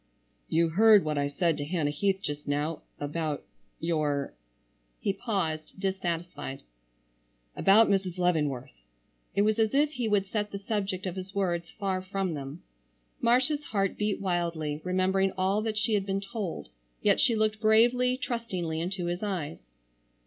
"You heard what I said to Hannah Heath just now, about—your——" He paused, dissatisfied—"about Mrs. Leavenworth"—it was as if he would set the subject of his words far from them. Marcia's heart beat wildly, remembering all that she had been told, yet she looked bravely, trustingly into his eyes.